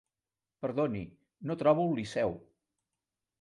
Perdoni, no trobo el Liceu.